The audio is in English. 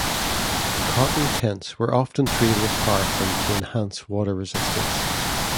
Cotton tents were often treated with paraffin to enhance water resistance.